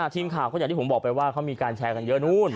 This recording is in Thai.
ทีมข่าวก็อย่างที่ผมบอกไปว่าเขามีการแชร์กันเยอะนู้น